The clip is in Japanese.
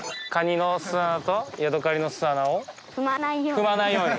踏まないように。